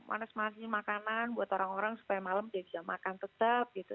panas panasin makanan buat orang orang supaya malem dia bisa makan tetap gitu